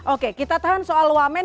oke kita tahan soal wamen